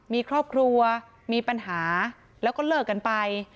มีครอบครัวมีปัญหาแล้วก็เลิกกันไป